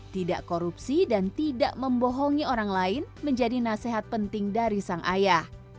tidak korupsi dan tidak membohongi orang lain menjadi nasihat penting dari sang ayah